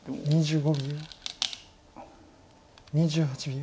２５秒。